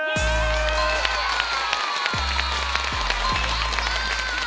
やった！